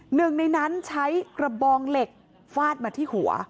หนึ่งในนั้นใช้กระบองเหล็กฟาดมาที่หัว